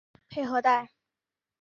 佩和代。